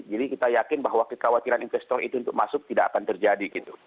jadi kita yakin bahwa kekhawatiran investor itu untuk masuk tidak akan terjadi gitu